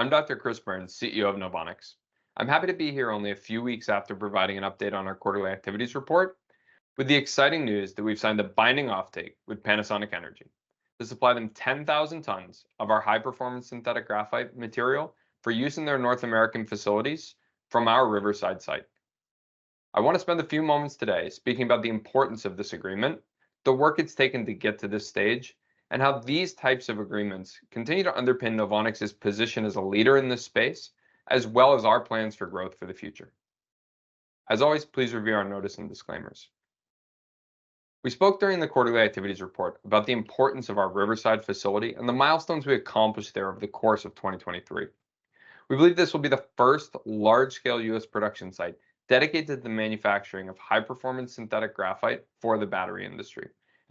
Hi, I'm Dr. Chris Burns, CEO of NOVONIX. I'm happy to be here only a few weeks after providing an update on our quarterly activities report, with the exciting news that we've signed a binding offtake with Panasonic Energy to supply them 10,000 tons of our high-performance synthetic graphite material for use in their North American facilities from our Riverside site. I want to spend a few moments today speaking about the importance of this agreement, the work it's taken to get to this stage, and how these types of agreements continue to underpin NOVONIX's position as a leader in this space, as well as our plans for growth for the future. As always, please review our notice and disclaimers. We spoke during the quarterly activities report about the importance of our Riverside facility and the milestones we accomplished there over the course of 2023. We believe this will be the first large-scale U.S. production site dedicated to the manufacturing of high-performance synthetic graphite for the battery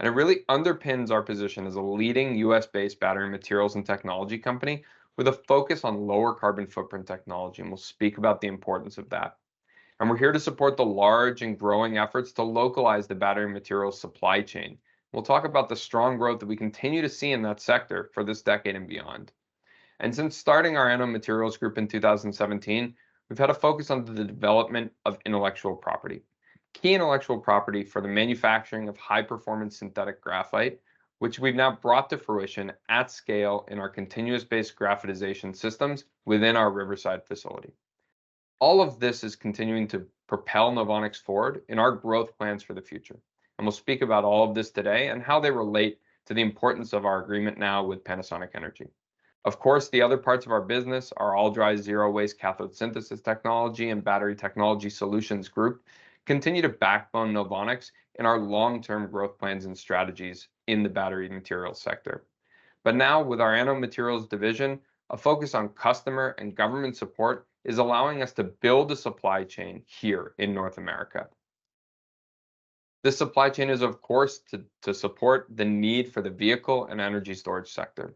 industry, and it really underpins our position as a leading U.S.-based battery materials and technology company with a focus on lower carbon footprint technology. We'll speak about the importance of that. We're here to support the large and growing efforts to localize the battery materials supply chain. We'll talk about the strong growth that we continue to see in that sector for this decade and beyond. Since starting our nanomaterials group in 2017, we've had a focus on the development of intellectual property, key intellectual property for the manufacturing of high-performance synthetic graphite, which we've now brought to fruition at scale in our continuous-based graphitization systems within our Riverside facility. All of this is continuing to propel NOVONIX forward in our growth plans for the future. We'll speak about all of this today and how they relate to the importance of our agreement now with Panasonic Energy. Of course, the other parts of our business are all-dry, zero-waste cathode synthesis technology and Battery Technology Solutions group continue to backbone NOVONIX in our long-term growth plans and strategies in the battery materials sector. But now, with our nanomaterials division, a focus on customer and government support is allowing us to build a supply chain here in North America. This supply chain is, of course, to support the need for the vehicle and energy storage sector.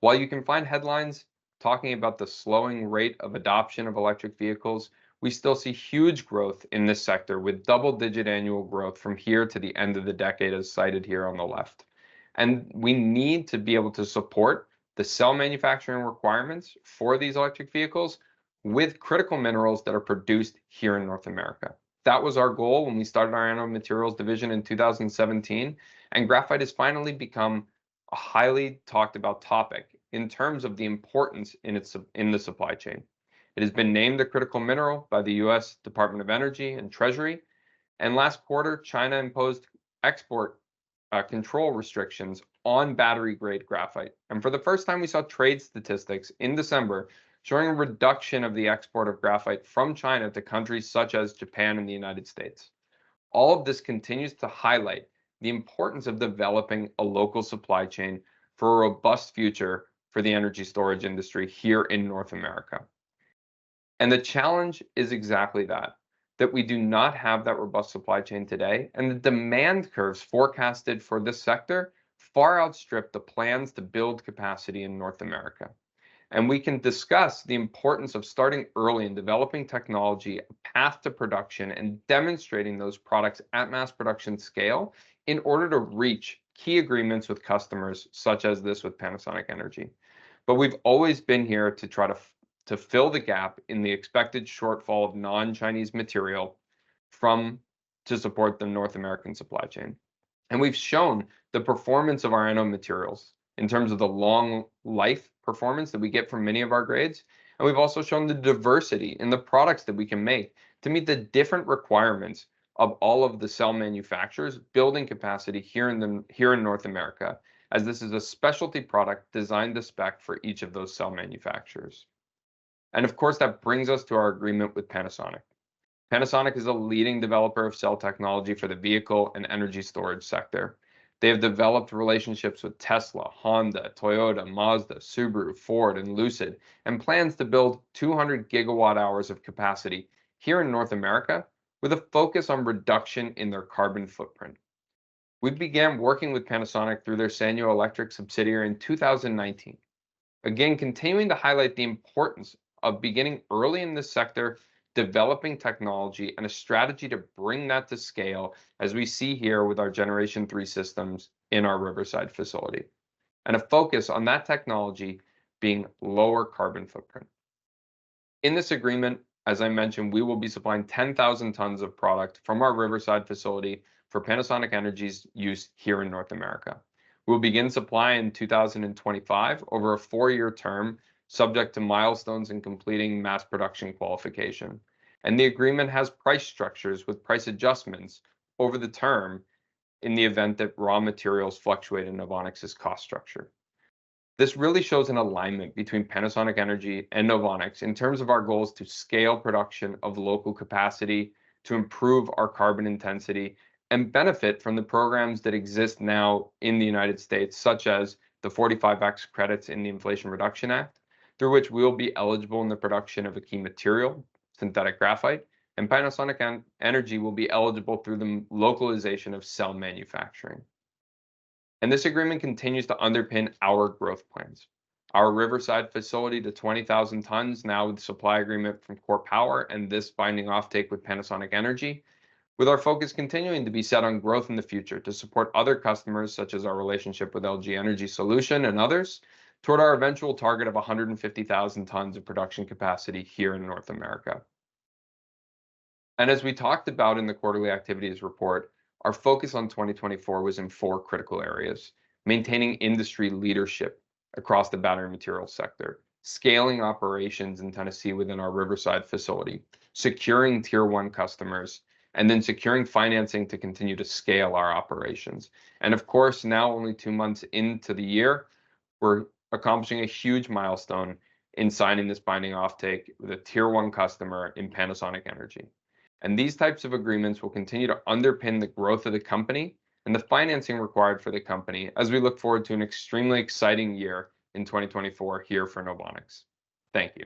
While you can find headlines talking about the slowing rate of adoption of electric vehicles, we still see huge growth in this sector with double-digit annual growth from here to the end of the decade, as cited here on the left. We need to be able to support the cell manufacturing requirements for these electric vehicles with critical minerals that are produced here in North America. That was our goal when we started our nanomaterials division in 2017, and graphite has finally become a highly talked-about topic in terms of the importance in the supply chain. It has been named the critical mineral by the U.S. Department of Energy and the Treasury. Last quarter, China imposed export control restrictions on battery-grade graphite. For the first time, we saw trade statistics in December showing a reduction of the export of graphite from China to countries such as Japan and the United States. All of this continues to highlight the importance of developing a local supply chain for a robust future for the energy storage industry here in North America. The challenge is exactly that, that we do not have that robust supply chain today, and the demand curves forecasted for this sector far outstrip the plans to build capacity in North America. We can discuss the importance of starting early and developing technology, a path to production, and demonstrating those products at mass production scale in order to reach key agreements with customers, such as this with Panasonic Energy. We've always been here to try to fill the gap in the expected shortfall of non-Chinese material to support the North American supply chain. We've shown the performance of our nanomaterials in terms of the long-life performance that we get from many of our grades. We've also shown the diversity in the products that we can make to meet the different requirements of all of the cell manufacturers building capacity here in North America, as this is a specialty product designed to spec for each of those cell manufacturers. Of course, that brings us to our agreement with Panasonic. Panasonic is a leading developer of cell technology for the vehicle and energy storage sector. They have developed relationships with Tesla, Honda, Toyota, Mazda, Subaru, Ford, and Lucid, and plans to build 200 GWh of capacity here in North America with a focus on reduction in their carbon footprint. We began working with Panasonic through their Sanyo Electric subsidiary in 2019, again continuing to highlight the importance of beginning early in this sector, developing technology, and a strategy to bring that to scale, as we see here with our Generation 3 systems in our Riverside facility, and a focus on that technology being lower carbon footprint. In this agreement, as I mentioned, we will be supplying 10,000 tons of product from our Riverside facility for Panasonic Energy's use here in North America. We'll begin supply in 2025 over a four-year term, subject to milestones in completing mass production qualification. The agreement has price structures with price adjustments over the term in the event that raw materials fluctuate in NOVONIX's cost structure. This really shows an alignment between Panasonic Energy and NOVONIX in terms of our goals to scale production of local capacity, to improve our carbon intensity, and benefit from the programs that exist now in the United States, such as the 45X credits in the Inflation Reduction Act, through which we'll be eligible in the production of a key material, synthetic graphite, and Panasonic Energy will be eligible through the localization of cell manufacturing. This agreement continues to underpin our growth plans, our Riverside facility to 20,000 tons now with the supply agreement from KORE Power and this binding offtake with Panasonic Energy, with our focus continuing to be set on growth in the future to support other customers, such as our relationship with LG Energy Solution and others, toward our eventual target of 150,000 tons of production capacity here in North America. As we talked about in the quarterly activities report, our focus on 2024 was in four critical areas: maintaining industry leadership across the battery materials sector, scaling operations in Tennessee within our Riverside facility, securing tier one customers, and then securing financing to continue to scale our operations. Of course, now only two months into the year, we're accomplishing a huge milestone in signing this binding offtake with a tier one customer in Panasonic Energy. These types of agreements will continue to underpin the growth of the company and the financing required for the company, as we look forward to an extremely exciting year in 2024 here for NOVONIX. Thank you.